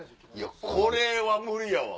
これは無理やわ。